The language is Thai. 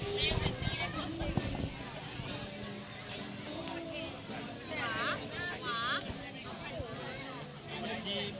ชื่อเรื่องยังไม่สนุกใช่ไหม